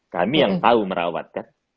kami yang tahu merawat kan